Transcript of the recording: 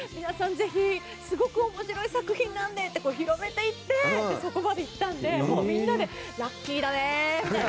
ぜひすごく面白い作品なので」って広めていってそこまでいったのでもうみんなで「ラッキーだね」みたいな。